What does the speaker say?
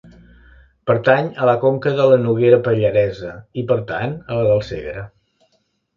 Pertany a la conca de la Noguera Pallaresa i, per tant, a la del Segre.